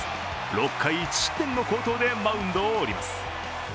６回１失点の好投でマウンドを降ります。